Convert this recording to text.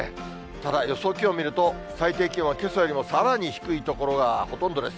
ただ、予想気温を見ると、最低気温はけさよりもさらに低い所がほとんどです。